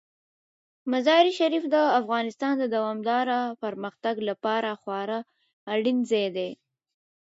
مزارشریف د افغانستان د دوامداره پرمختګ لپاره خورا اړین ځای دی.